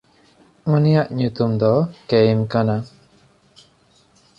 ᱩᱱᱤᱭᱟᱜ ᱧᱩᱛᱩᱢ ᱫᱚ ᱠᱮᱭᱢ ᱠᱟᱱᱟ᱾